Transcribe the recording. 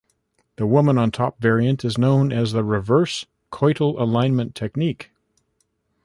The woman on top variant is known as the reverse coital alignment technique.